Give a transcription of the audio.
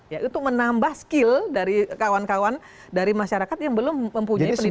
ya itu menambah skill dari kawan kawan dari masyarakat yang belum mempunyai pendidikan cukup